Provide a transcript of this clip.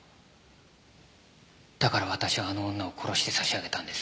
だから私はあの女を殺して差し上げたんです。